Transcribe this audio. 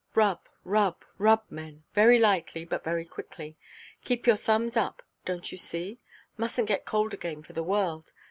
"Rub, rub, rub, men; very lightly, but very quickly. Keep your thumbs up, donʼt you see? Mustnʼt get cold again for the world.